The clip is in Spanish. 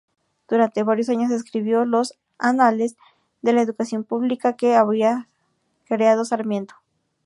Durante varios años escribió los Anales de la Educación Pública que había creado Sarmiento.